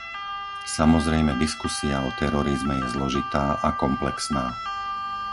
Samozrejme diskusia o terorizme je zložitá a komplexná.